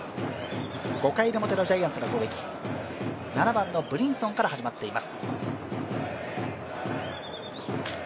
５回表のジャイアンツの攻撃、７番のブリンソンから始まっています。